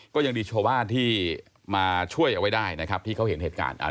ก็ยังดีชาวบ้านที่มาช่วยเอาไว้ได้นะครับที่เขาเห็นเหตุการณ์